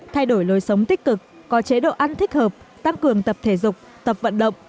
thay đổi lối sống tích cực có chế độ ăn thích hợp tăng cường tập thể dục tập vận động